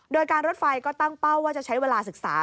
โดยการรถไฟก็ตั้งเป้าว่าจะใช้เวลาศึกษา